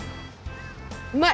うまい！